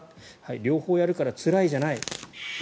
両方やるからつらいじゃない。